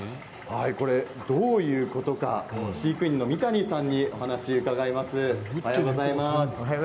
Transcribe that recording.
どういうことか飼育員の三谷さんにお話を伺います。